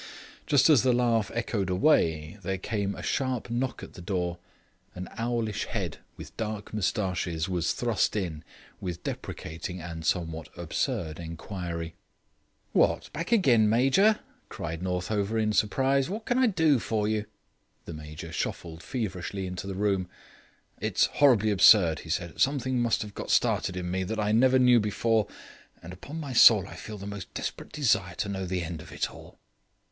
Just as the laugh echoed away, there came a sharp knock at the door. An owlish head, with dark moustaches, was thrust in, with deprecating and somewhat absurd inquiry. "What! back again, Major?" cried Northover in surprise. "What can I do for you?" The Major shuffled feverishly into the room. "It's horribly absurd," he said. "Something must have got started in me that I never knew before. But upon my soul I feel the most desperate desire to know the end of it all."